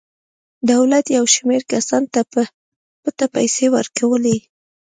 دولت یو شمېر کسانو ته په پټه پیسې ورکولې.